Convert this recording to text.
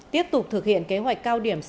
tiếp tục thực hiện kế hoạch cao điểm